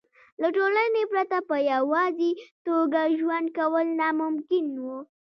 له ټولنې پرته په یوازې توګه ژوند کول ناممکن وو.